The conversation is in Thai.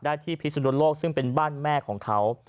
ที่พิสุนโลกซึ่งเป็นบ้านแม่ของเขา